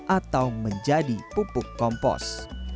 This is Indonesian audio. atau menjadi pupuk kompos